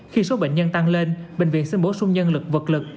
khi số bệnh nhân tăng lên bệnh viện sẽ bổ sung nhân lực vật lực